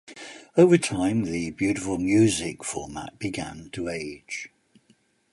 Over time, the Beautiful music format began to age.